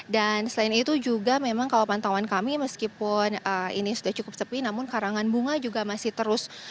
dan selain itu juga memang kalau pantauan kami meskipun ini sudah cukup sepi namun karangan bunga juga masih terus